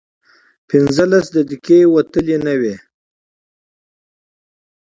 پينځلس دقيقې وتلې نه وې.